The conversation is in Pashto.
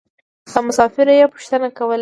له مسافرو يې پوښتنې کولې.